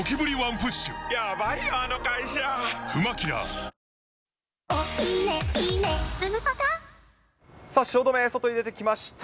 三菱電機汐留、外に出てきました。